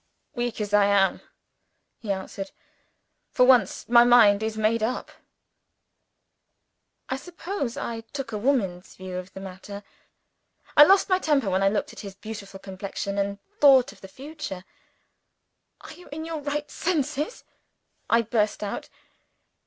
"Weak as I am," he answered, "for once, my mind is made up." I suppose I took a woman's view of the matter. I lost my temper when I looked at his beautiful complexion and thought of the future. "Are you in your right senses?" I burst out.